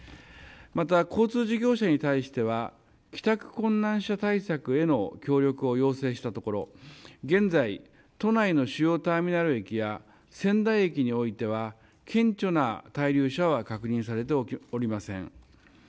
また交通事業者に対しては帰宅困難者対策の要請をしたところ、現在、都内の主要ターミナル駅や仙台駅においては顕著な滞留者は確認されておりません。